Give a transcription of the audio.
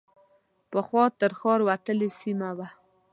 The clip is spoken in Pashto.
پخوا تر ښار وتلې سیمه وه.